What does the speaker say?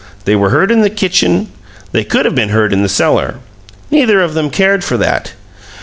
They were heard in the kitchen; they could have been heard in the cellar. Neither of them cared for that.